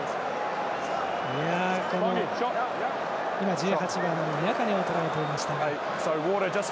１８番のニャカネをとらえていました。